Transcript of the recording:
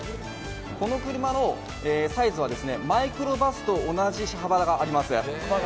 この車のサイズはマイクロバスと同じ車幅があります。